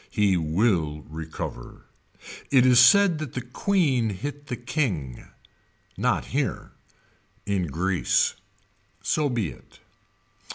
He will recover. It is said that the Queen hit the King. Not here. In Greece. So be it.